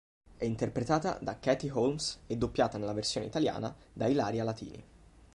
È interpretata da Katie Holmes e doppiata nella versione italiana da Ilaria Latini.